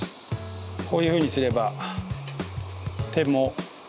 こういうふうにすれば手も汚れません。